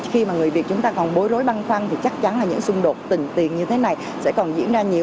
khi mà người việt chúng ta còn bối rối băn khoăn thì chắc chắn là những xung đột tình tiền như thế này sẽ còn diễn ra nhiều